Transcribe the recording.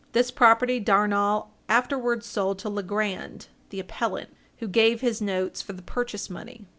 This property Darnall afterwards sold to Legrand, the appellant, who gave his notes for the purchase money.